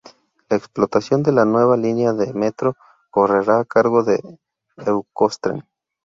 La explotación de la nueva línea de Metro correrá a cargo de Euskotren.